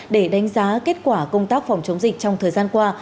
để đánh giá kết quả công tác phòng chống dịch trong thời gian qua